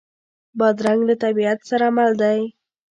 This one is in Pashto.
بادرنګ له طبیعت سره مل دی.